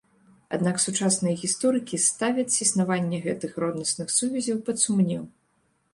Аднак сучасныя гісторыкі ставяць існаванне гэтых роднасных сувязяў пад сумнеў.